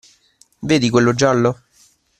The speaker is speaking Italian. Vedi quello giallo?